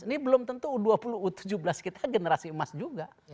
ini belum tentu u tujuh belas kita generasi emas juga